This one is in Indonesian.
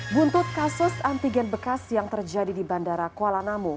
buntut kasus antigen bekas yang terjadi di bandara kuala namu